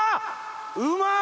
うまい！